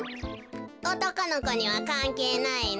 おとこのこにはかんけいないの。